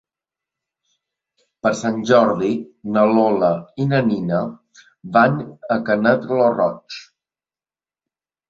Per Sant Jordi na Lola i na Nina van a Canet lo Roig.